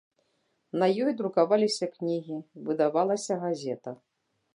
На ёй друкаваліся кнігі, выдавалася газета.